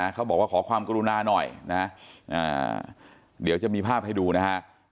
เขาบอกว่าขอความกรุณาหน่อยนะเดี๋ยวจะมีภาพให้ดูนะฮะ